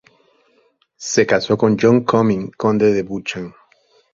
Se casó con John Comyn, conde de Buchan.